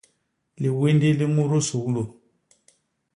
Liwindi li ñudu suglu.